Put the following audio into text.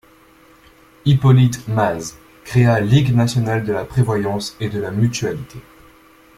Hippolyte Maze créa Ligue nationale de la prévoyance et de la mutualité.